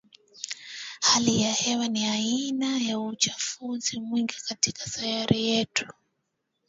ya hali ya hewaNi aina nyingine ya uchafuzi mwingi katika sayari yetu